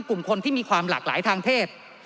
กลุ่มคนที่มีความหลากหลายทางเพศ